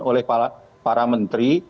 oleh para menteri